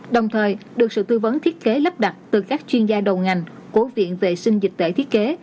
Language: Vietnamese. đồng thời được sự tư vấn thiết kế lắp đặt từ các chuyên gia đầu ngành của viện vệ sinh dịch tễ thiết kế